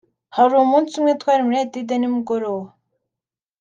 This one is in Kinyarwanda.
hari umunsi umwe twari muri études nimugoroba